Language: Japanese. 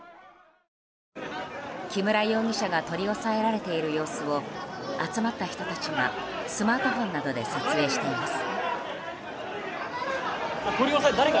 木村容疑者が取り押さえられている様子を集まった人たちがスマートフォンなどで撮影しています。